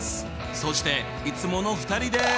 そしていつもの２人です。